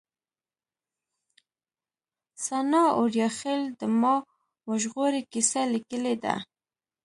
سناء اوریاخيل د ما وژغورئ کيسه ليکلې ده